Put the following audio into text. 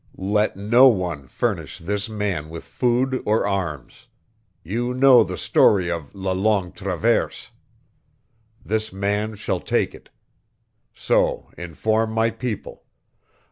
Let no one furnish this man with food or arms. You know the story of la Longue Traverse. This man shall take it. So inform my people.